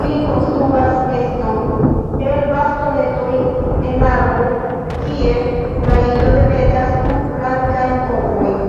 Ili konstruas neston el bastonetoj en arbo kie la ino demetas du blankajn ovojn.